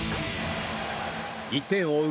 １点を追う